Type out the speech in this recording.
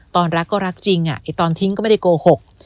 ตอนรักก็รักจริงตอนทิ้งก็ไม่ได้โกหก